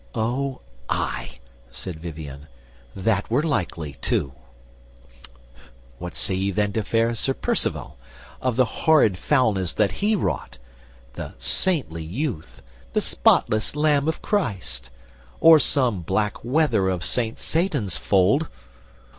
"O ay," said Vivien, "that were likely too. What say ye then to fair Sir Percivale And of the horrid foulness that he wrought, The saintly youth, the spotless lamb of Christ, Or some black wether of St Satan's fold.